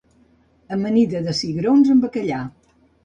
Amanida de cigrons amb bacallà